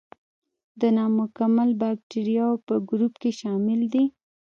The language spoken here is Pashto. د نامکمل باکتریاوو په ګروپ کې شامل دي.